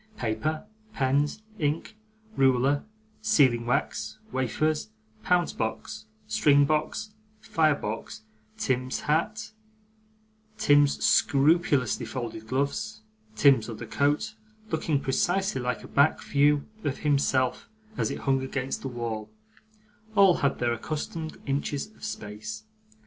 Paper, pens, ink, ruler, sealing wax, wafers, pounce box, string box, fire box, Tim's hat, Tim's scrupulously folded gloves, Tim's other coat looking precisely like a back view of himself as it hung against the wall all had their accustomed inches of space.